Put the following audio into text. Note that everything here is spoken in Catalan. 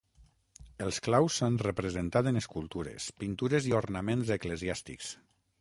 Els claus s'han representat en escultures, pintures i ornaments eclesiàstics.